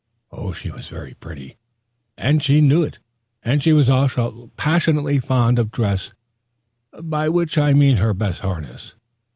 She was very pretty, and she knew it. She was also passionately fond of dress by which I mean her best harness.